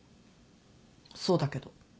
そうだけど？